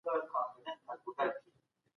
اقتصاد د خلکو ژوند ټاکي.